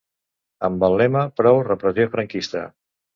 Amb el lema Prou repressió franquista.